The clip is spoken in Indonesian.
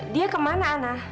dia kemana ana